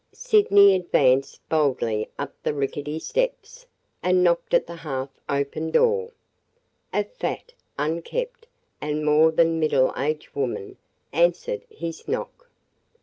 Sydney advanced boldly up the rickety steps and knocked at the half open door. A fat, unkempt, and more than middle aged woman answered his knock.